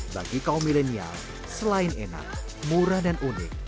bagi kaum milenial selain enak murah dan unik